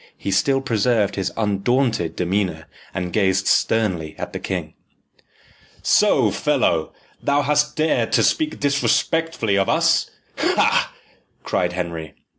He still preserved his undaunted demeanour, and gazed sternly at the king. "So, fellow, thou hast dared to speak disrespectfully of us ha!" cried Henry.